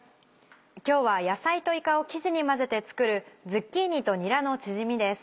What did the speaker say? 今日は野菜といかを生地に混ぜて作る「ズッキーニとにらのチヂミ」です。